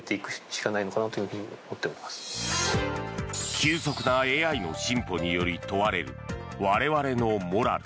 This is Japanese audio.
急速なＡＩの進歩により問われる我々のモラル。